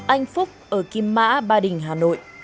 anh phúc ở kim mã ba đình hà nội